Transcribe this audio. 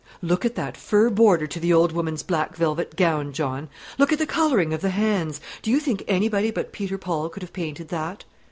"Look at that fur border to the old woman's black velvet gown, John; look at the colouring of the hands! Do you think anybody but Peter Paul could have painted that?